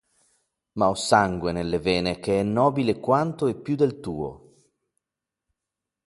Ma ho sangue, nelle vene che è nobile quanto e più del tuo.